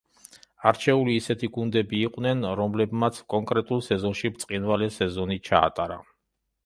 არჩეული ისეთი გუნდები იყვნენ, რომლებმაც კონკრეტულ სეზონში ბრწყინვალე სეზონი ჩაატარა.